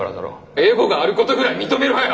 エゴがあることぐらい認めろよ！